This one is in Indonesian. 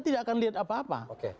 tidak akan lihat apa apa